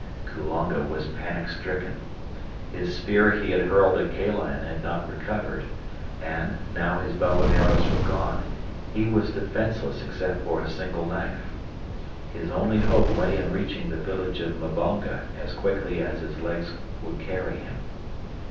Kulonga was panic stricken. His spear he had hurled at Kala and had not recovered; and, now that his bow and arrows were gone, he was defenseless except for a single knife. His only hope lay in reaching the village of Mbonga as quickly as his legs would carry him.